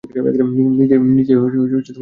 নিজেই দেখতে পাবেন।